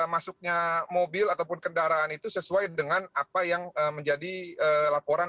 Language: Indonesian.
masuknya mobil ataupun kendaraan itu sesuai dengan apa yang menjadi laporan